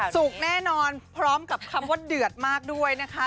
แน่นอนพร้อมกับคำว่าเดือดมากด้วยนะคะ